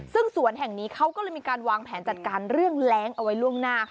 ซึ่งสวนแห่งนี้เขาก็เลยมีการวางแผนจัดการเรื่องแร้งเอาไว้ล่วงหน้า